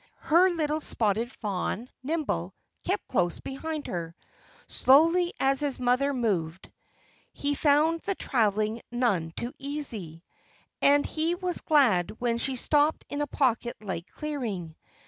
Her little spotted fawn, Nimble, kept close beside her. Slowly as his mother moved, he found the traveling none too easy. And he was glad when she stopped in a pocket like clearing.